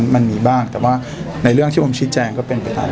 มันมีบ้างแต่ว่าในเรื่องที่ผมชี้แจงก็เป็นไปได้